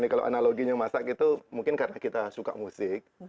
kalau analoginya masak itu mungkin karena kita suka musik